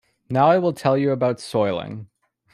Now I will tell you about soiling.